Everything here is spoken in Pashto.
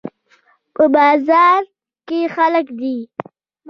په بازار کې خلک دي